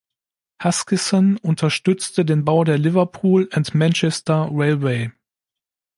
Huskisson unterstützte den Bau der Liverpool and Manchester Railway.